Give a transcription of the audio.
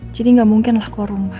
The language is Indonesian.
jadi gak mungkin lah kau rumah